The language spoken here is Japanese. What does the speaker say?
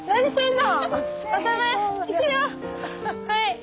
はい。